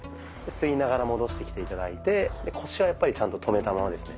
吸いながら戻してきて頂いて腰はやっぱりちゃんと止めたままですね。